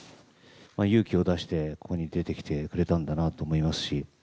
勇気を出してここに出てきてくれたんだなと思いますし。